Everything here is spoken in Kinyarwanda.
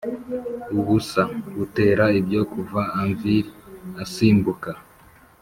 ubusa butera ibyo kuva anvil asimbuka;